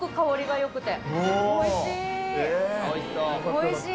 おいしい！